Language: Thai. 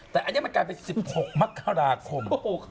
แต่อันนี้การเป็น๑๖มกราคม